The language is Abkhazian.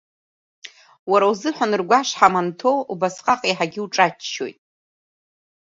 Уара узыҳәан ргәы ашҳам анҭоу, убасҟак иаҳагьы иуҿаччоит.